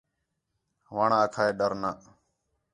وݨ آکھا ہِے ڈَر نہ